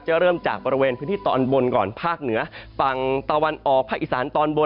เริ่มจากบริเวณพื้นที่ตอนบนก่อนภาคเหนือฝั่งตะวันออกภาคอีสานตอนบน